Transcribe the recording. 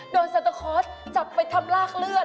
สัตเตอร์คอร์สจับไปทำลากเลือด